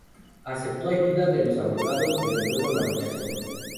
Aceptó ayuda de los abogados, pero luego la rechazó.